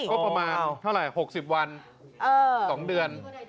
ก็ประมาณเท่าไหร่๖๐วัน๒เดือน